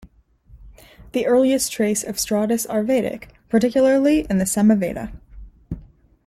The earliest trace of Stotras are Vedic, particularly in the Samaveda.